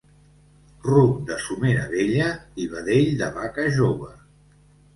Ruc de somera vella i vedell de vaca jove.